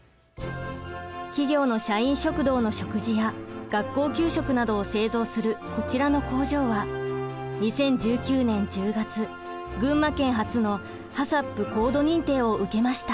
企業の社員食堂の食事や学校給食などを製造するこちらの工場は２０１９年１０月群馬県初のＨＡＣＣＰ高度認定を受けました。